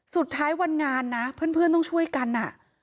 สุดท้ายวันงานนะเพื่อนต้องช่วยกัน